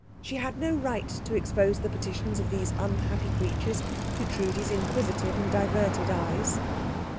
She had no right to expose the petitions of these unhappy creatures to Trudi's inquisitive and diverted eyes.